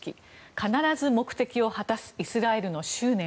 必ず目的を果たすイスラエルの執念。